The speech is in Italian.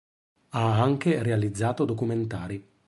Ha anche realizzato documentari.